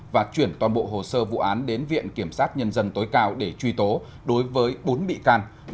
và chuyển toàn bộ hồ sơ vụ án đến viện kiểm sát nhân dân tối cao để truy tố đối với bốn bị can